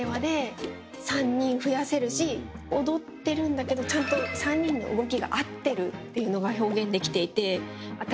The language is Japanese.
踊ってるんだけどちゃんと３人の動きが合ってるっていうのが表現できていて。